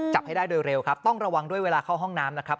ให้ได้โดยเร็วครับต้องระวังด้วยเวลาเข้าห้องน้ำนะครับ